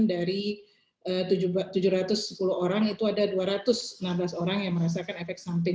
dari tujuh ratus sepuluh orang itu ada dua ratus enam belas orang yang merasakan efek samping